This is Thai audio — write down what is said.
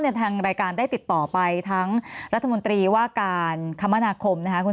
ทางรายการได้ติดต่อไปทั้งรัฐมนตรีว่าการคมนาคมนะคะ